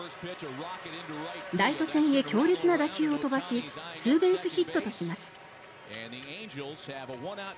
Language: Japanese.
ライト線へ強烈な打球を飛ばしツーベースヒットとします。